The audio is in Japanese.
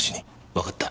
わかった。